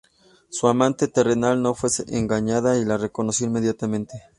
Su amante terrenal no fue engañado y la reconoció inmediatamente.